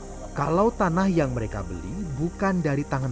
sebagai perusahaan semen perusahaan semen ini tidak hanya berguna dengan perusahaan semen